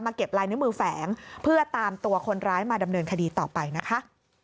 เก็บลายนิ้วมือแฝงเพื่อตามตัวคนร้ายมาดำเนินคดีต่อไปนะคะ